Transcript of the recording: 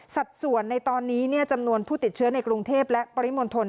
สัดส่วนในตอนนี้จำนวนผู้ติดเชื้อในกรุงเทพและปริมณฑล